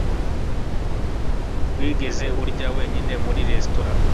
Wigeze urya wenyine muri resitora?